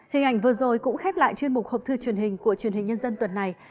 hình ảnh vừa rồi cũng khép lại chuyên mục hộp thư truyền hình của truyền hình nhân dân tuần này